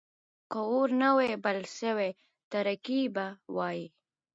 که اور نه وای بل شوی، تاريکي به وای.